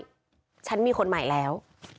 เสียงที่มีคนใหม่แล้ว